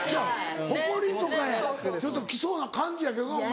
ホコリとかちょっと拭きそうな感じやけどなお前。